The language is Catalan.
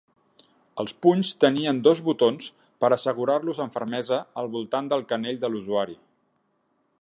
Els punys tenien dos botons per assegurar-los amb fermesa al voltant del canell de l'usuari.